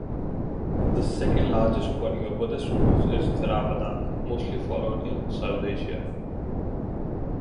The second largest body of Buddhist schools is "Theravada", mostly followed in Southeast Asia.